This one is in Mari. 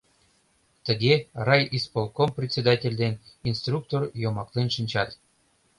Тыге райисполком председатель ден инструктор йомаклен шинчат.